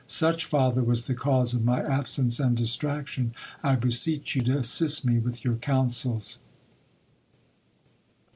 Such, father, was the cause of my absence and distraction. I beseech you to assist me with your counsels.